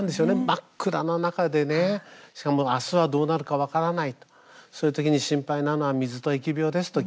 真っ暗な中でね、しかもあすはどうなるか分からないとそういうときに心配なのは水と疫病ですと。